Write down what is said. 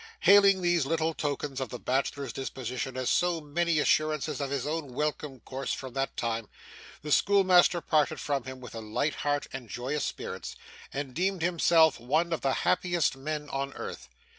Hailing these little tokens of the bachelor's disposition as so many assurances of his own welcome course from that time, the schoolmaster parted from him with a light heart and joyous spirits, and deemed himself one of the happiest men on earth.